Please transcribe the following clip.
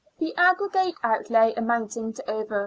the aggregate outlay amounting to over £378.